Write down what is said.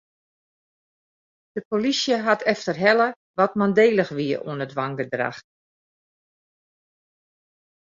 De polysje hat efterhelle wa't mandélich wiene oan it wangedrach.